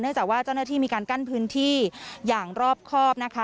จากว่าเจ้าหน้าที่มีการกั้นพื้นที่อย่างรอบครอบนะคะ